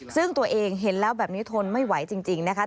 ซึ่งตัวเองเห็นแล้วแบบนี้ทนไม่ไหวจริงนะคะ